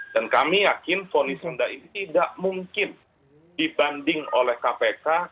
dan kami yakin fonis hendak ini tidak mungkin dibanding oleh kpk